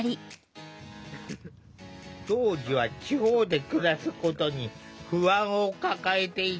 当時は地方で暮らすことに不安を抱えていた。